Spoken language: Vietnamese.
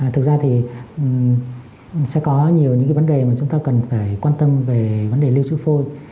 thực ra thì sẽ có nhiều những cái vấn đề mà chúng ta cần phải quan tâm về vấn đề lưu trú phôi